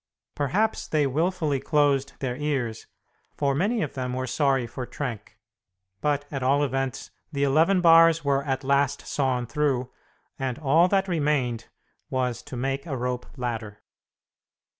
Perhaps they wilfully closed their ears, for many of them were sorry for Trenck; but, at all events, the eleven bars were at last sawn through, and all that remained was to make a rope ladder.